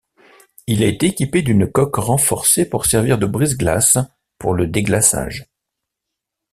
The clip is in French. Il a été équipé d'une coque renforcée pour servir de brise-glace pour le déglaçage.